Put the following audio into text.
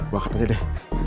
waktu ini deh